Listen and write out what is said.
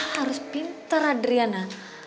harus pintar adriana